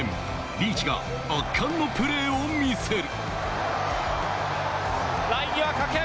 リーチが圧巻のプレーを見せる。